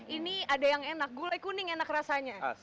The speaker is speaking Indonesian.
ini ada yang enak gulai kuning enak rasanya